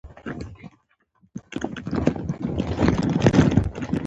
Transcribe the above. خلک رښتيني انسانان خوښوي.